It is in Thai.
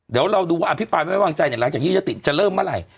เดี๋ยวเราดูว่าอภิปรายไม่วางใจเนี่ยหลังจากยืดยติจะเริ่มเมื่อไหร่